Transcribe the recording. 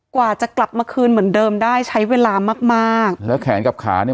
กว่าจะกลับมาคืนเหมือนเดิมได้ใช้เวลามากมากแล้วแขนกับขาเนี่ย